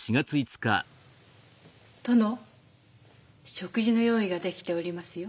殿食事の用意ができておりますよ。